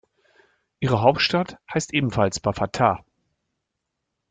Ihre Hauptstadt heißt ebenfalls Bafatá.